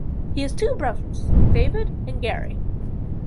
He has two brothers, David and Gary.